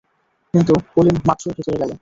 কিন্তু পলিন মাত্রই ভেতরে গেল।